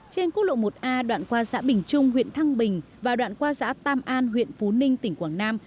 trên quốc lộ một a đoạn qua xã bình trung huyện thăng bình và đoạn qua xã tam an huyện phú ninh tỉnh quảng nam